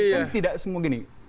yang berikutnya gini